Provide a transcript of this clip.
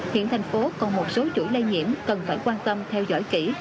hiện thành phố còn một số chuỗi lây nhiễm cần phải quan tâm theo dõi kỹ